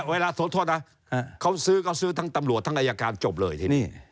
เวลาโทษนะเขาซื้อก็ซื้อทั้งตำรวจทั้งอายการจบเลยทีนี้